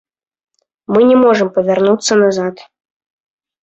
Мы не можам павярнуцца назад.